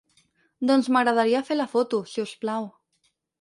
Doncs m'agradaria fer la foto, si us plau.